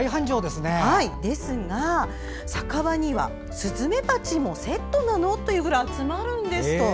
ですが、酒場にはスズメバチもセットなの？というぐらい集まるんですと。